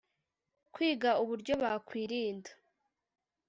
kwiga uburyo bakwirinda